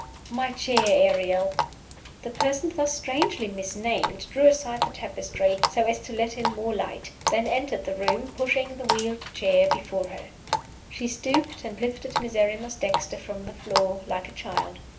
"My chair, Ariel!" The person thus strangely misnamed drew aside the tapestry, so as to let in more light; then entered the room, pushing the wheeled chair before her. She stooped and lifted Miserrimus Dexter from the floor, like a child.